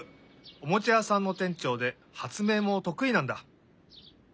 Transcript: おもちゃやさんのてんちょうではつめいもとくいなんだ！